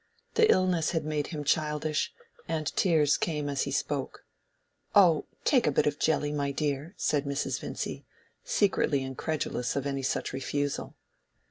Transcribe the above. The illness had made him childish, and tears came as he spoke. "Oh, take a bit of jelly, my dear," said Mrs. Vincy, secretly incredulous of any such refusal.